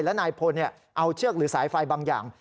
และนายพลเอาเชือกหรือสายไฟบางอย่าง